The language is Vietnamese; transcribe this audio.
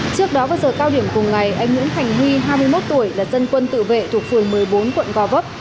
trước đó vào giờ cao điểm cùng ngày anh nguyễn thành huy hai mươi một tuổi là dân quân tự vệ thuộc phường một mươi bốn quận gò vấp